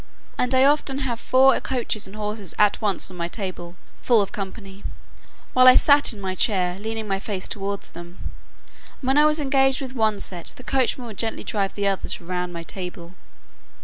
And I have often had four coaches and horses at once on my table, full of company, while I sat in my chair, leaning my face towards them; and when I was engaged with one set, the coachmen would gently drive the others round my table.